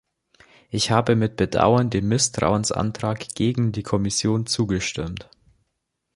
Ich habe mit Bedauern dem Misstrauensantrag gegen die Kommission zugestimmt.